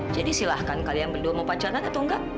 jadi silahkan kalian berdua mau pacaran atau enggak